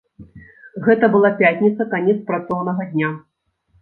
Гэта была пятніца, канец працоўнага дня.